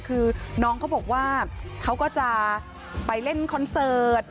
คือน้องเขาบอกว่าเขาก็จะไปเล่นคอนเสิร์ต